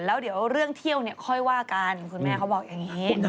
แล้วเดี๋ยวเรื่องเที่ยวเนี่ยค่อยว่ากันคุณแม่เขาบอกอย่างนี้